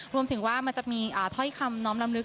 รวมถึงว่ามันจะมีถ้อยคำน้อมลำลึก